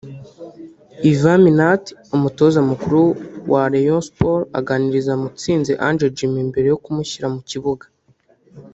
Ivan Minaert Umutoza mukuru wa Rayon Sports aganiriza Mutsinzi Ange Jimmy mbere yo kumushyira mu kibuga